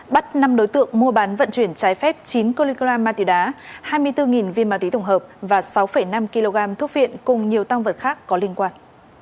bắt năm đối tượng mua bán vận chuyển trái phép chín kg ma túy đá hai mươi bốn viên ma túy tổng hợp và sáu năm kg thuốc viện cùng nhiều tăng vật khác có liên quan